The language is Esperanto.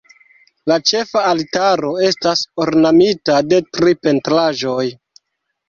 La ĉefa altaro estas ornamita de tri pentraĵoj.